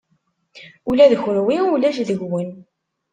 Ula d kunwi ulac deg-wen.